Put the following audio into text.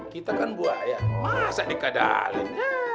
kita kan buaya merasa dikadalin